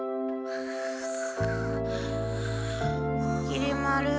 きり丸。